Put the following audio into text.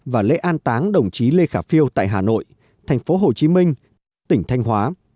và lễ an táng đồng chí lê khả phiêu tại hà nội thành phố hồ chí minh tỉnh thanh hóa